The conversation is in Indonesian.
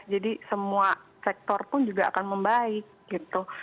jadi semua sektor pun juga akan membaik gitu